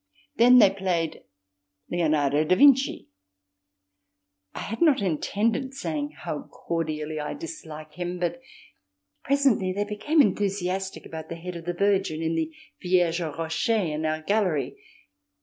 Then they played Leonardo Da Vinci. I had not intended saying how cordially I dislike him, but presently they became enthusiastic about the head of the Virgin in the "Vierge aux Rochers" in our Gallery.